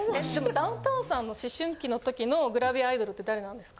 ダウンタウンさんの思春期の時のグラビアアイドルって誰なんですか？